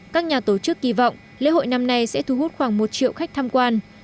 các nhà tổ chức kỳ vọng lễ hội năm nay sẽ thu hút khoảng một triệu khách tham quan